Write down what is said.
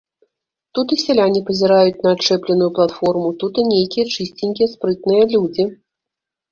Тут і сяляне пазіраюць на адчэпленую платформу, тут і нейкія чысценькія спрытныя людзі.